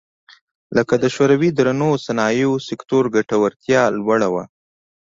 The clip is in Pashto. لکه د شوروي درنو صنایعو سکتور ګټورتیا لوړه وه